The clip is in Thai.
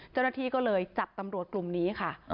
เจ้าหน้าที่ก็เลยจับตำรวจกลุ่มนี้ค่ะ